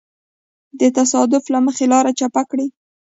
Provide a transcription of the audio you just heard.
د تصادف له مخې لاره چپ کړي.